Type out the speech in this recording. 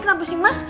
kenapa sih mas